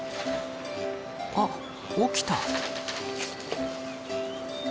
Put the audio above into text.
あっ起きた。